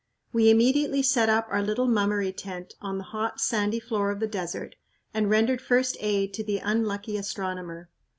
We immediately set up our little "Mummery" tent on the hot, sandy floor of the desert and rendered first aid to the unlucky astronomer.